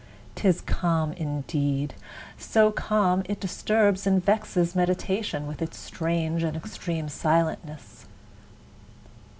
'Tis calm indeed! so calm, that it disturbs And vexes meditation with its strange And extreme silentness.